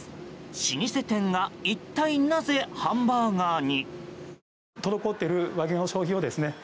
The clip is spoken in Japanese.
老舗店が一体なぜハンバーガーに？